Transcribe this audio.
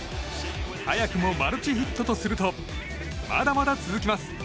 早くもマルチヒットとするとまだまだ続きます。